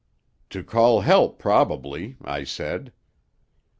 "'To call help, probably,' I said.